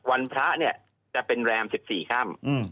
วันพระจะเป็นเราม๑๔ค่ำ